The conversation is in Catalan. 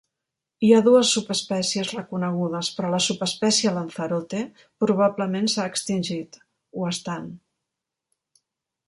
Hi ha dues subespècies reconegudes, però la subespècie Lanzarote probablement s'ha extingit; ho estan.